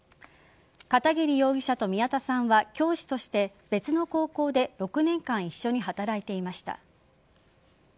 片桐容疑者と宮田さんは教師として別の高校で６年間一緒に働いていました。